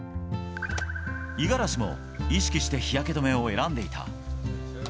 五十嵐も意識して日焼け止めを選んでいた。